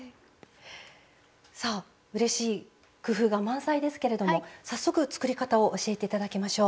さあうれしい工夫が満載ですけれども早速作り方を教えて頂きましょう。